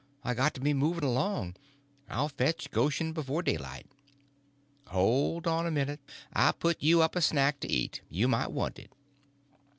I got to be moving along. I'll fetch Goshen before daylight." "Hold on a minute. I'll put you up a snack to eat. You might want it."